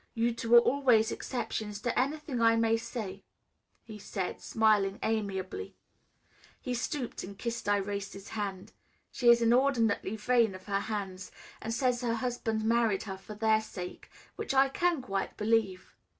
"You two are always exceptions to anything I may say," he said, smiling amiably. He stooped and kissed Irais's hand. She is inordinately vain of her hands, and says her husband married her for their sake, which I can quite believe.